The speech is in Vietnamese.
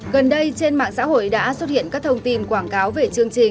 gần đây trên mạng xã hội đã xuất hiện các thông tin quảng cáo về chương trình